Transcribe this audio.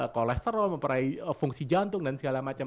kolesterol memperaih fungsi jantung dan segala macam